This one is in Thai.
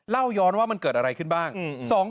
เล่าย้อนว่ามันเกิดอะไรขึ้นบ้าง